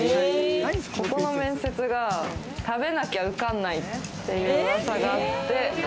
ここの面接が、食べなきゃ受かんないっていう噂があって。